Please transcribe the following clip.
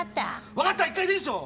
「分かった」は１回でいいでしょ！